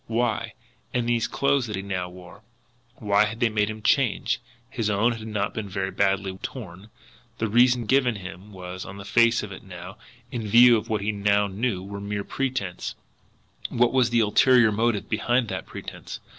Why? And these clothes that he now wore why had they made him change? His own had not been very badly torn. The reason given him was, on the face of it now, in view of what he now knew, mere pretence. What was the ulterior motive behind that pretence?